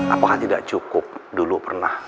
apakah tidak cukup dulu pernah